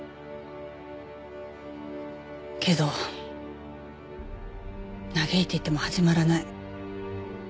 けど嘆いていても始まらない。